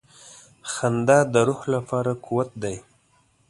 • خندا د روح لپاره قوت دی.